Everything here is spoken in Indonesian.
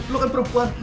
lu kan perempuan